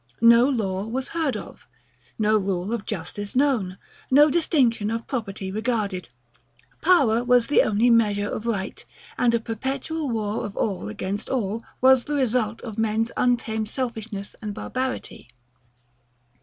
No law was heard of: No rule of justice known: No distinction of property regarded: Power was the only measure of right; and a perpetual war of all against all was the result of men's untamed selfishness and barbarity.